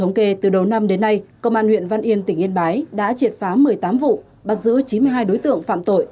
hôm đến nay công an huyện văn yên tỉnh yên bái đã triệt phá một mươi tám vụ bắt giữ chín mươi hai đối tượng phạm tội